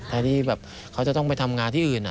แทนที่แบบเขาจะต้องไปทำงานที่อื่น